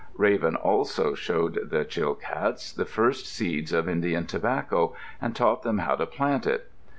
Raven also showed the Chilkats the first seeds of Indian tobacco and taught them how to plant it.